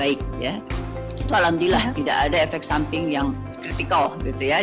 itu alhamdulillah tidak ada efek samping yang kritikal